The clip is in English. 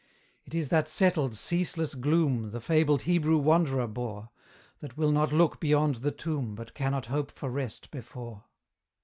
It is that settled, ceaseless gloom The fabled Hebrew wanderer bore, That will not look beyond the tomb, But cannot hope for rest before.